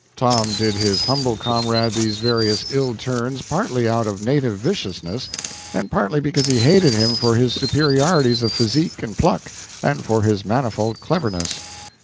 Tom did his humble comrade these various ill turns partly out of native viciousness, and partly because he hated him for his superiorities of physique and pluck, and for his manifold cleverness.